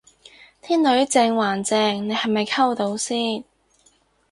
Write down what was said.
啲女正還正你係咪溝到先